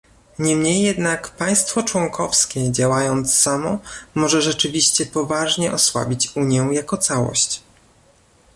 Niemniej jednak państwo członkowskie działając samo może rzeczywiście poważnie osłabić Unię jako całość